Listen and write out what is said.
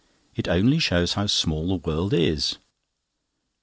It only shows how small the world is.